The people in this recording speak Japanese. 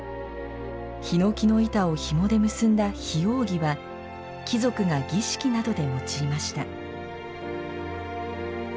ひのきの板をひもで結んだ檜扇は貴族が儀式などで用いました。